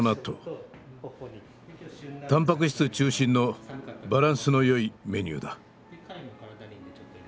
タンパク質中心のバランスのよいメニューだ。